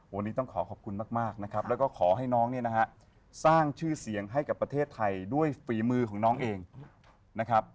วันนี้ต้องขอขอบคุณมากนะครับแล้วก็ขอให้น้องเนี่ยนะฮะสร้างชื่อเสียงให้กับประเทศไทยด้วยฝีมือของน้องเองนะครับ